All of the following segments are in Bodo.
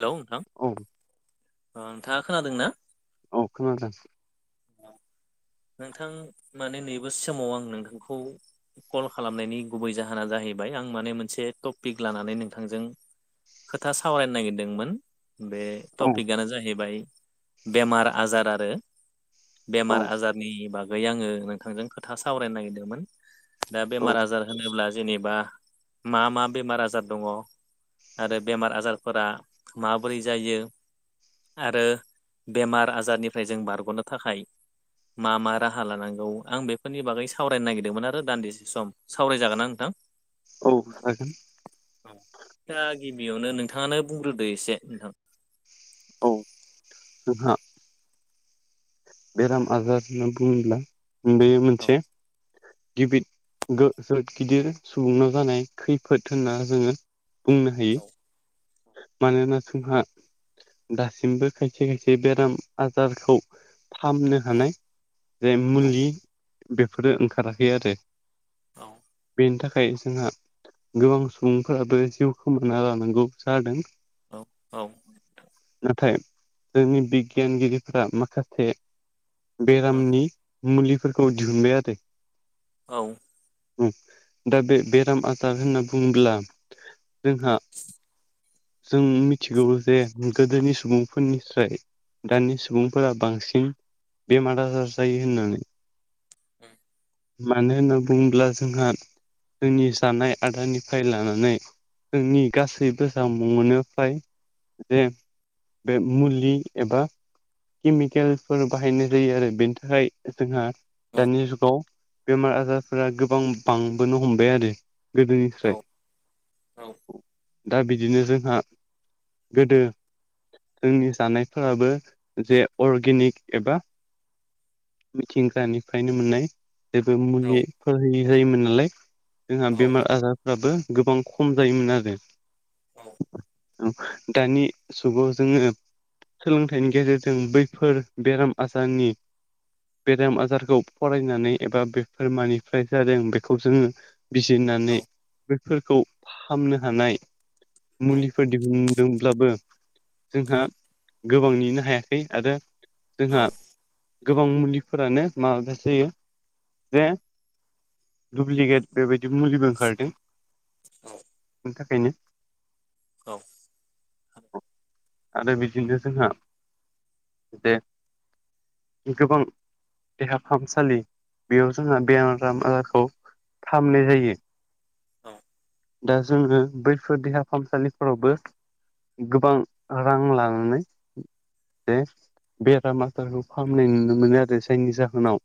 हेलौ नोंथां औ अ नोंथाङा खोनादों ना औ खोनादों नोंथां माने नैबे समाव आं नोंथांखौ कल खालामनायनि गुबै जाहोना जाहैबाय आं माने मोनसे टपिक लानानै नोंथांजों खोथा सावरायनो नागिरदोंमोन बे औ टपिकआनो जाहैबाय बेमार आजार आरो औ बेमार आजारनि बागै आङो नोंथांजों खोथा सावरायनो नागिरदोंमोन दा औ बेमार आजार होनोब्ला जेनेबा मा मा बेमार आजार दङ आरो बेमार आजारफोरा माबोरै जायो आरो बेमार आजारनिफ्राय जों बारग'नो थाखाय मा मा राहा लानांगौ आं बेफोरनि बागै सावरायनो नागिरदोंमोन आरो दान्दिसे सम सावरायजागोन आं नोंथां औ हागोन गिबियावनो नोंथाङानो बुंग्रोदो एसे नोंथां औ नोंहा बेराम आजार होनना बुङोब्ला बे औ मोनसे गिबिद जोद गिदिर सुबुंनाव जानाय खैफोद होनना जोङो बुंनो हायो मानोना जोंहा दासिमबो खायसे खायसे बेराम आजारखौ फाहामनो औ हानाय जाय औ मुलि बेफोरो ओंखाराखै आरो औ बेनि थाखाय जोंहा गोबां सुबुंफोराबो जिउ खोमाना लानांगौ जादों औ औ नाथाय जोंनि बिगियानगिरिफोरा माखासे बेरामनि मुलिफोरखौ दिहुनबाय आरो औ औ दा बे बेराम आजार होनना बुङोब्ला जोंहा जों मिथिगौ जे गोदोनि सुबुंफोरनिफ्राय दानि सुबुंफोरा बांसिन बेमार आजार जायो होननानै औ मानो होनना बुङोब्ला जोंहा जोंनि जानाय आदारानिफ्राय लानानै जोंनि गासैबो जामुं मोनो फाय जे बे मुलि एबा केमिकेलफोर बाहायनाय जायो आरो बेनि थाखाय जोंहा दानि जुगाव बेमार आजारफोरा गोबां बांबोनो हमबाय आरो औ गोदोनिफ्राय दा बिदिनो जोंहा गोदो जोंनि जानायफोराबो जे अर्गेनिक एबा मिथिंगानिफ्रायनो मोननाय जेबो मुलिफोर होयो होयोमोन नालाय जोंहा औ बेमार आजार फोराबो गोबां खम जायोमोन आरो औ दानि जुगाव जोङो सोलोंथाइनि गेजेरजों बै फोर बेराम आजारनि बेराम आजारखौ फरायनानै एबा बेफोर मानिफ्राय जादों बेखौ जोङो बिजिरनानै बेफोरखौ फाहामनो हानाय मुलिफोर दिहुनदों ब्लाबो जोंहा गोबां नेनो हायाखै आरो औ जोंहा गोबां मुलिफोरानो माबा जायो जे दुप्लिकेट बेबायदि मुलिबो ओंखारदों बेनि थाखायनो औ अ आरो बिदिनो जोंहा जे गोबां देहा फाहामसालि बेयाव जोंहा बे आराम आजारखौ फाहामनाय जायो औ दा जोङो बैफोर देहा फाहामसालिफोरावबो गोबां रां लानानै जे बेराम आजारखौ फाहामनाय नुनो मोनो आरो जायनि जाहोनाव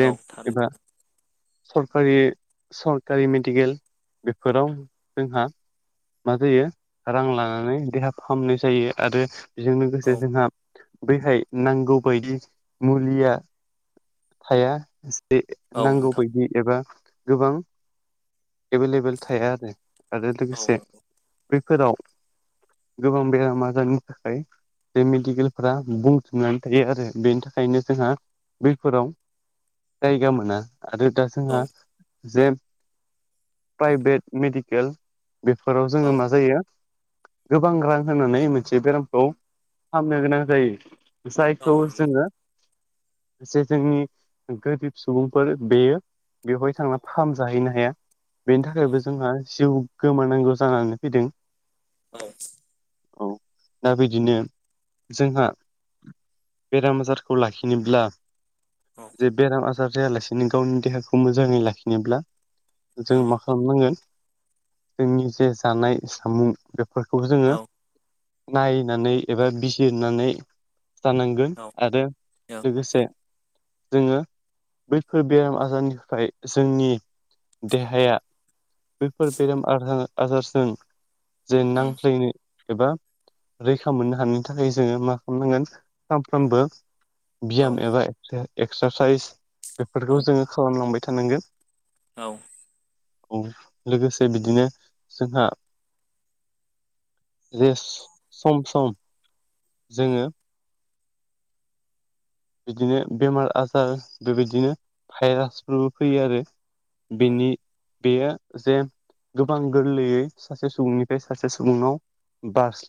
औ थारै एबा सरकारि सरकारि मेडिकेल बेफोराव जोंहा मा जायो रां लानानै देहा फाहामनाय जायो आरो बेजों लोगोसे औ जोंहा बैहाय नांगौ बायदि मुलिया थाया ए औ नोंथां नांगौबायायदि एबा गोबां एभेलेबेल थाया आरो आरो औ लोगोसे बैफोराव गोबां बेराम आजारनि थाखाय बे मेडिकेलफोरा बुंथनानै थायो आरो बेनि थाखायनो जोंहा बैफोराव जायगा मोना आरो दा औ जोंहा जे प्राइभेट मेडिकेल बेफोराव जोङो औ मा जायो गोबां रां होनानै मोनसे बेरामखौ फाहामनो गोनां जायो औ जायखौ नंगौ जोङो जे जोंनि गोरिब सुबुंफोर बेयो बेवहाय थांनानै फाहामजाहैनो हाया बेनि औ थाखायबो जोंहा जिउ गोमानांगौ जानानै फैदों औ औ दा बिदिनो जोंहा बेराम आजारखौ लाखिनोब्ला औ बेराम आजार जायालासेनो गावनि देहाखौ मोजाङै लाखिनोब्ला जों माखासे खालामनांगोन जोंनि जे जानाय जामुं बेफोरखौ जोङो नायनानै एबा बिजिरनानै जानांगोन औ आरो लोगोसे जोङो बैफोर बेराम आजारनिफ्राय जोंनि देहाया बेैफोर बेराम आजारजों जे नांज्लायनो एबा रैखा मोननो हानायनि थाखाय जोङो मा खालामनांगोन सानफ्रोमबो बियाम एबा एक्सारसाइस बेफोरखौ जोङो खालामलांबाय थानांगोन औ लोगोसे बिदिनो जोंहा जे सम सम जोङो बिदिनो बेमार आजार बेबायदिनो भाइरासफोरबो फैयो आरो औ बेनि बेयो जे गोबां गोरलैयै सासे सुबुंनिफ्राय सासे सुबुंनाव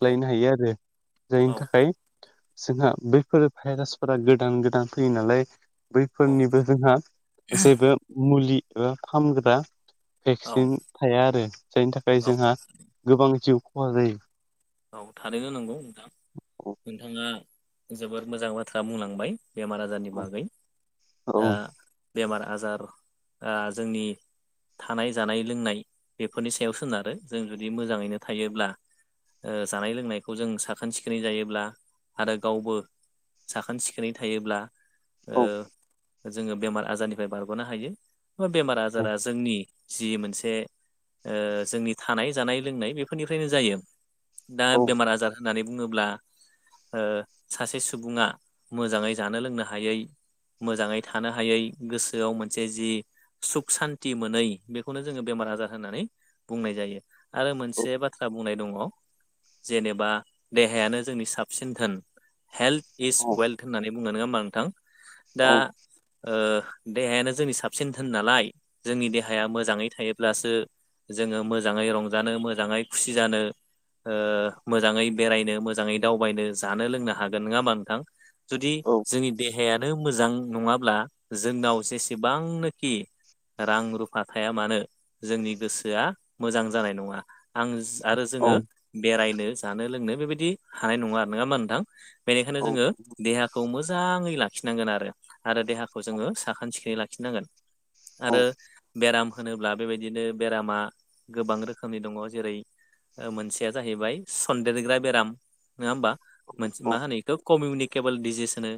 औ हायो आरो औ जायनि थाखाय जोंहा बैफोर भाइरासफोरा गोदान गोदान फैयो नालाय औ बैफोरनिबो जोंहा जेबो मुलि एबा फाहामग्रा औ भेक्सिन थाया आरो जायनि थाखाय औ जोंहा गोबां जिउ खहा जायो औ थारैनो नंगौ मोजां औ नोंथाङा जोबोर मोजां बाथ्रा बुंलांबाय बेमार आजार आजारनि बागै दा बेमार आजार जोंनि थानाय जानाय लोंनाय बेफोरनि सायाव सोनारो जों जुदि मोजाङैनो थायोब्ला जानाय लोंनायखौ जों साखोन सिखोन जायोब्ला आरो गावबो साखोन सिखोनै थायोब्ला औ जोङो बेमार आजारनिफ्राय बारग'नो हायो बेमार आजारा जोंनि जि मोनसे जोंनि थानाय जानाय लोंनाय बेफोरनिफ्रायनो जायो दा औ बेमार आजार होननानै बुङोब्ला सासे सुबुङा मोजाङै जानो लोंनो हायै मोजाङै थानो हायै गोसोआव मोनसे जि सुख सान्ति मोनै बेखौनो जोङो बेमार आजार होननानै बुंनाय जायो आरो मोनसे बाथ्रा बुंनाय दङ जेनेबा देहायानो जोंनि साबसिन धोन हेल्थ इज औ वेलक होननानै बुंङो नङा होनबा नोंथां दा औ देहायानो जोंनि साबसिन धोन नालाय जोंनि देहाया मोजाङै थायोब्लासो जोङो मोजाङै रंजानो मोजाङै खुसि जानो मोजाङै बेरायनो मोजाङै दावबायनो जानो लोंनो हागोन नङा होमबा नोंथां जुदि जोंनि देहायानो मोजां नङाब्ला जोंनाव जेसेबांनोखि रां रुफा थाया मानो जोंनि गोसोआ मोजां जानाय नङा आं आरो औ जोङो बेरायनो जानो लोंनो बेबायदि हानाय नङा आरो नङा होनबा नोंथां बेनिखायनो औ जोङो देहाखौ मोजाङै लाखिनांगोन आरो आरो देहाखौ जोङो साखोन सिखोनै लाखिनांगोन औ आरो बेराम होनोब्ला बेबायदिनो बेरामा गोबां रोखोमनि दङ जेरै मोनसे आंनिया जाहैबाय सनदेरग्रा बेराम नोङा होमबा औ मा होनो बेखौ कमिउनिके केबोल डिजेस होनो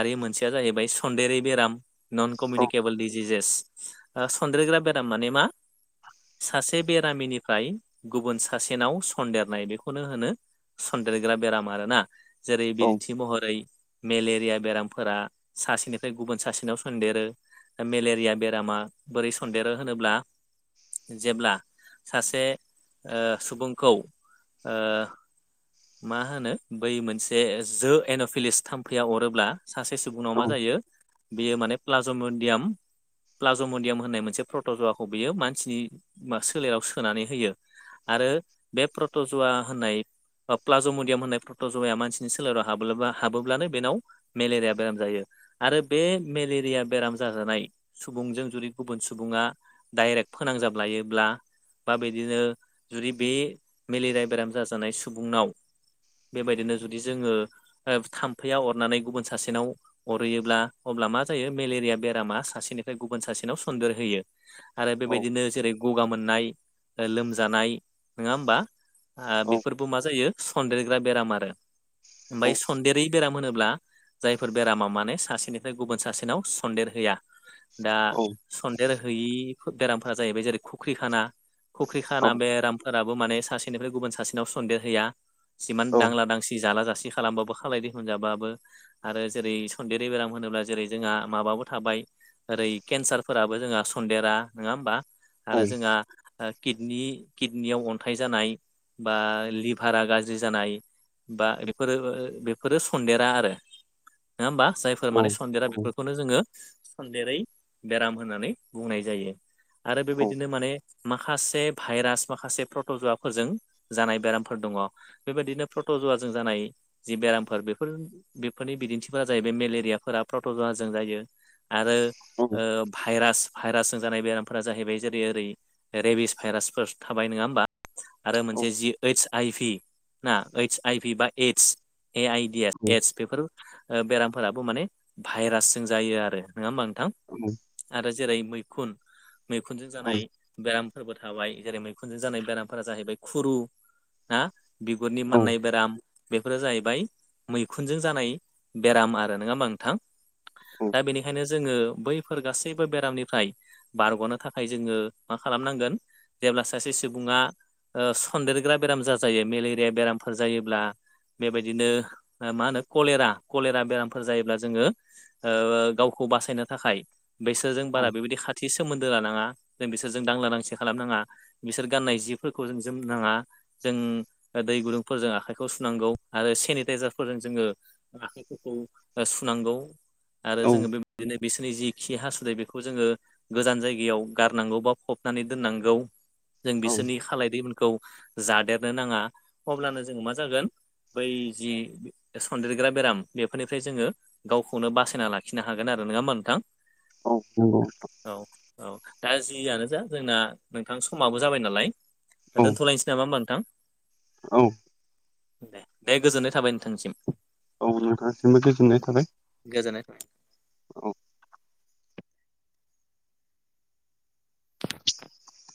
आरो मोनसेया जाहैबाय सन्देरै बेराम नन कमिउनिकेबोल डिजिजेस सनद्रोग्रा बेराम माने मा सासे बेरामिनिफ्राय गुबुन सासेनाव सनन्देरनाय बेखौनो होनो सन्देरग्रा बेराम आरो ना जेरै औ बिदिन्थि महरै मेलेरिया बेरामफोरा सासेनिफ्राय गुबुन सासेनाव सनदेरो मेलेरिया बेरामा बोरै सनन्देरो होनोब्ला जेब्ला सासे सुबुंखौ ओ मा होनो बै मोनसे जो एन'फिलिस थाम्फैया अरोब्ला सासे औ सुबुंनाव औ मा जायो बेयो माने प्लाजमेडियाम प्लाज' मडयाम होननाय मोनसे प्रटजवाखौ बियो मानसिनि सोलेराव सोनानै होयो आरो बे प्रतजुवा होननाय प्लाज' मडियाम होननाय प्रट'जया या मानसिनि सोलेराव ह हाबोब्लानो बेनाव मेलेरिया बेराम जायो आरो बे मेलेरिया बेराम जाजानाय सुबुंजों जुदि गुबुन सुबुङा डाइरेक्ट फोनांजाब लायोब्ला बा बिदिनो जुदि बे मेलेरिया बेराम जाजानाय सुबुंनाव बेबायदिनो जुदि जोङो थाम्फैया अरनानै गुबुन सासेनाव अरहैयोब्ला अब्ला मा जायो मेलेरिया बेरामा सासेनिफ्राय गुबुन सासेनाव सन्देर हैयो आरो औ बेबायदिनो जेरै गगा मोननाय लोमजानाय नङा होमबा बेफोरबो मा जायो सदेरग्रा बेराम आरो ओमफ्राय स बै बेराम होनोब्ला जायफोर बेरामा माने सासेनिफ्राय गुबुन सासेनाव सन्देर हैया दा सन्देर हैयि बेरामफोरा जाहैबाय जेरै खुख्रि खाना खुख्रि खाना बेरामफोराबो माने सासेनिफ्राय गुबुन सासेनाव सन्देर हैया जिमान दांला दांसि जाला जासि खालामबाबो खालाय दैफोन जाबाबो आरो जेरै सन्देरै बेराम होनोब्ला जेरै जोंहा माबाबो थाबाय ओरै केन्सारफोराबो जोंहा सन्देरा नङा होमबा आरो जोंहा किडनियाव अन्थाइ जानाय बा लिभारा गाज्रि जानाय बा बेफोरो बेफोरो सन्देरा आरो नङा होमबा जाय फोर औ माने सन्देरा बेफोरखौनो जोङो सन्देरै बेराम होननानै बुंनाय जायो आरो बेबायदिनो माने माखासे भाइरास माखासे प्रट'जुवाफोरजों जानाय बेरामफोर दङ बेबायदिनो प्रट' जुवाजों जानाय जि बेरामफोर बेफोर बेफोरनि बिदिन्थिफोरा जाहैबाय मेलेरियाफोरा प्रटजुवाजों जायो आरो भाइरास भाइरासजों जानाय बेरामफोरा जाहैबाय जेरै ओरै रेबिस भाइरासफोर थाबाय नङा होमबा आरो मोनसे जि ऐत्स आइ भि ना ऐइत्स आइ भि बा एद्स ए आइडिया एट्स बेफोर बेरामफोराबो माने भाइरासजों जायो आरो नङा होमबा नोंथां औ आरो जेरै मैखुन मैखुनजों जानाय बेरामफोरबो थाबाय जेरै मैखुनजों जानाय बेराम फोर जाहैबाय खुरु हा बिगुरनि माननाय बेराम बेफोरो जाहैबाय मैखुनजों जानाय बेराम आरो नङा होमबा नोंथां दा बेनिखायनो जोङो बैफोर गासैबो बेरामनिफ्राय बारग'नो थाखाय जोङो मा खालामनांगोन जेब्ला सासे सुबुङा सन्देरग्रा बेराम जाजायो मेलेरिया बेरामफोर जायोब्ला बेबायदिनो मा होनो कलेरा कलेरा बेरामफोर जायोब्ला जोङो गावखौ बासायनो थाखाय बेसोरजों बारा बेबायदि खा थि सोमोन्दो लानाङा जों बिसोरजों दांला दांसि खालामनाङा बिसोर गाननाय जि फोरखौ जों जोम नांङा जों दै गुदुंफोरजों आखाइखौ सुनांगौ आरो सेनिटाइजारफोरजों जोंङो आखाइफोरखौ सुनांगौ आरो जोंङो बेबायदिनो बिसोरनि जि खि हासुदाय बेखौ जोंङो गोजान जायगायाव गारनांगौ बा फबनानै दोननांगौ जों बिसोरनि खाालाय दैमोनखौ जादेरनो नांङा अब्लानो जोंङो मा जागोन बै जि सनदेरग्रा बेराम बेफोरनिफ्राय जोंङो गावखौनो बासायना लाखिनो हागोन आरो नंङा मा नोंथां औ औ औ औ दा जियानो जा जोंना नोंथां समाबो जाबाय नालाय दोनथ'लायनोसै नामा होमबा नोंथां औ दे दे गोजोननाय थाबाय नोंथांसिम औ नोंथांनिसिमबो गोजोननाय थाबाय गोजानाय औ